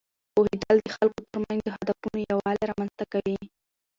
پوهېدل د خلکو ترمنځ د هدفونو یووالی رامینځته کوي.